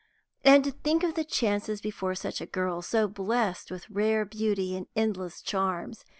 And to think of the chances before such a girl, so blessed with rare beauty and endless charms.